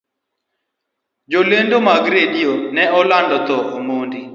Jolendo mag radio ne olando thoo omondi